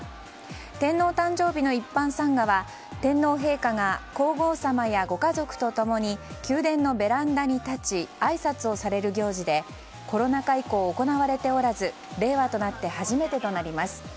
天皇誕生日の一般参賀は天皇陛下が皇后さまやご家族と共に宮殿のベランダに立ちあいさつをされる行事でコロナ禍以降、行われておらず令和となって初めてとなります。